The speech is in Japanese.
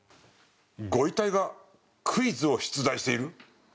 ご遺体がクイズを出題している？